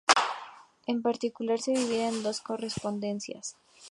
En particular, se divide en dos correspondencias.